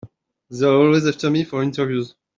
They're always after me for interviews.